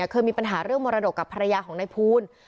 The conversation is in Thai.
เคยมีปัญหาเรื่องมรดกกับภรรยาของนายภูล